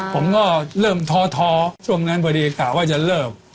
ผมก็เริ่มท้อช่วงนั้นพอดีกะว่าจะเลิก